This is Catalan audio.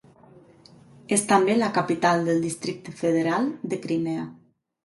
És també la capital del Districte Federal de Crimea.